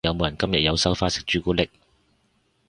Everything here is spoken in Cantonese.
有冇人今日有收花食朱古力？